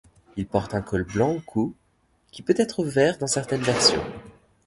Il porte un col blanc au cou, qui peut être vert dans certaines versions.